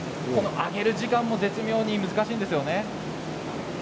揚げる時間も絶妙に難しいんですよね。